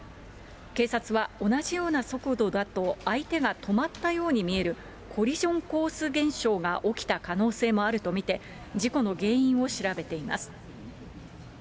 警察は同じような速度だと相手が止まったように見える、コリジョンコース現象が起きた可能性もあると見て、事故の原因を調べています。